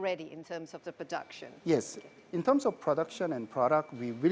dan memperbaiki kita punya banyak garasi yang bisa membaiki mobil